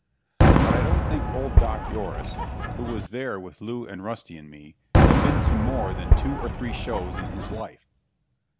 But I don't think old Doc Yoris, who was there with Lew and Rusty and me, had been to more than two or three shows in his life.